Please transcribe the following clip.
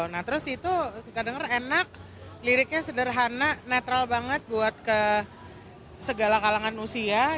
nah terus itu kita dengar enak liriknya sederhana netral banget buat ke segala kalangan usia